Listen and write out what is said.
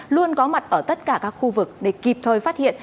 luôn có mặt ở tất cả các khu vực để kịp thời phát hiện